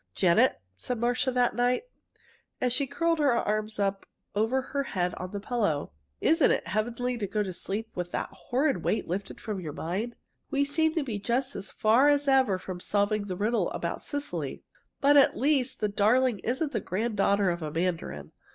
"Janet," said Marcia, that night, as she curled her arms up over her head on the pillow, "isn't it heavenly to go to sleep with that horrid weight lifted from your mind? We seem to be just as far as ever from solving the riddle about Cecily, but at least, the darling isn't the granddaughter of a mandarin!